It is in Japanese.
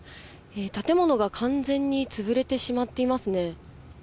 建物が完全に潰れてしまっていますね。